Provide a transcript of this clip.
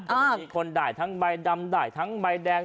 มีคนด่ายทั้งใบดำด่ายทั้งใบแดง